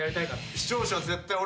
視聴者は絶対。